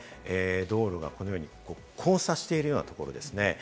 道路がこのように交差しているところです。